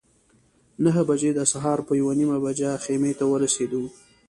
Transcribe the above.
نهه بجې د سهار په یوه نیمه بجه خیمې ته ورسېدو.